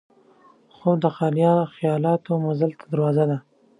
خوب د خیالاتو مزل ته دروازه ده